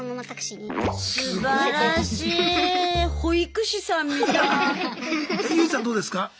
ユージさんどうですか？